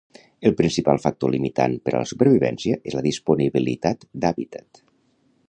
El principal factor limitant per a la supervivència és la disponibilitat d'hàbitat.